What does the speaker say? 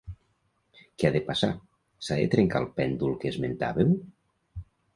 Què ha de passar, s’ha de trencar el pèndol que esmentàveu?